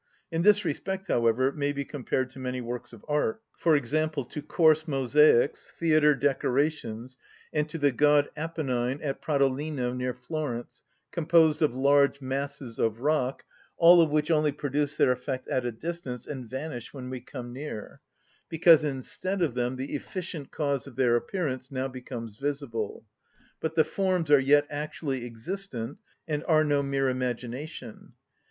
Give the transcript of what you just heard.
In this respect, however, it may be compared to many works of art; for example, to coarse mosaics, theatre decorations, and to the god Apennine at Pratolino, near Florence, composed of large masses of rock, all of which only produce their effect at a distance, and vanish when we come near, because instead of them the efficient cause of their appearance now becomes visible: but the forms are yet actually existent, and are no mere imagination.